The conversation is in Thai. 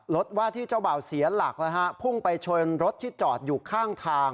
ว่าที่เจ้าบ่าวเสียหลักพุ่งไปชนรถที่จอดอยู่ข้างทาง